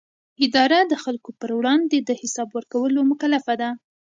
اداره د خلکو پر وړاندې د حساب ورکولو مکلفه ده.